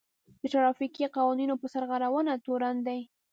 د ټرافيکي قوانينو په سرغړونه تورن دی.